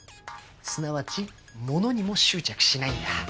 すなわち物にも執着しないんだ。